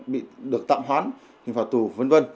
bị được tạm hoán hình phạt tù v v